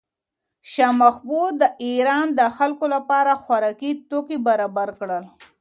شاه محمود د ایران د خلکو لپاره خوراکي توکي برابر کړل.